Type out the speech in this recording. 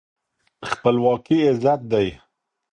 خپلواکي عزت دی.